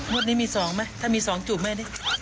มัวนี้มี๒ไหมถ้ามี๒จูบแม่ดิ